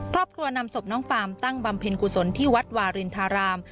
ครอบครัวนำศพน้องฟาร์มตั้งบำเพ็ญกุศลที่วัดวารินทราราม